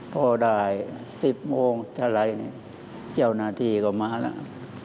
พอได้๑๐โมงเท่าไรเนี่ยเจ้าหน้าที่ก็มาแล้ว